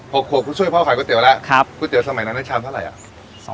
พกกูช่วยพ่อขายก๋วยเตี๋ยวแล้วก๋วยเตี๋ยวสมัยนั้นได้ชามเท่าไรอ่ะ